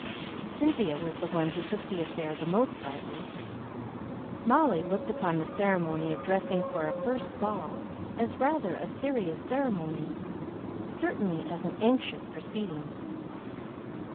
Cynthia was the one who took the affair most lightly. Molly looked upon the ceremony of dressing for a first ball as rather a serious ceremony; certainly as an anxious proceeding.